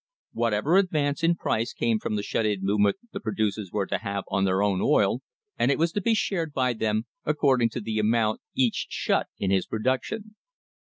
Whatever advance in price came from the shut in movement the producers were to have on their oil, and it was to be shared by them according to the amount each shut in his production.